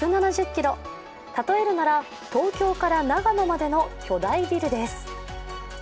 例えるなら、東京から長野までの巨大ビルです。